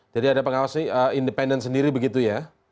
jadi ada pengawas independen sendiri begitu ya